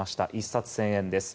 １冊１０００円です。